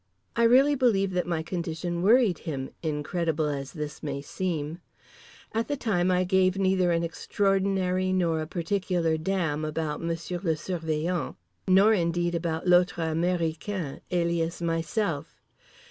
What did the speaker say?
I really believe that my condition worried him, incredible as this may seem. At the time I gave neither an extraordinary nor a particular damn about Monsieur le Surveillant, nor indeed about "l'autre américain" alias myself.